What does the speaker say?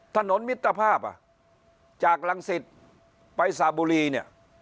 ถนนมิตรภาพอ่ะจากหลังศิษย์ไปสาบุรีเนี่ย